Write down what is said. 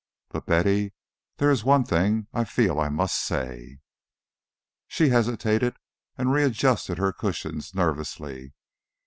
But, Betty, there is one thing I feel I must say " She hesitated and readjusted her cushions nervously.